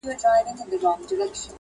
له اوله داسې نه وه